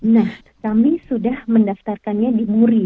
nah kami sudah mendaftarkannya di buri